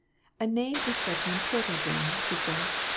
" A name is such an import ant thing," she said.